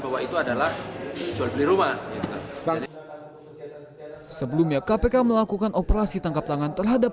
bahwa itu adalah jual beli rumah sebelumnya kpk melakukan operasi tangkap tangan terhadap